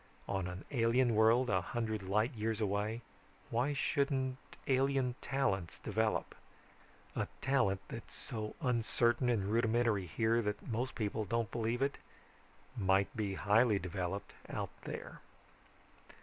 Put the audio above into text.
On an alien world a hundred light years away, why shouldn't alien talents develop? A talent that's so uncertain and rudimentary here that most people don't believe it, might be highly developed out there.